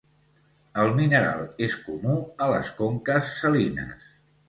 El mineral és comú a les conques salines.